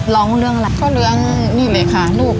ล้องเรื่องก็เหลือนิดหน่อยค่ะลูก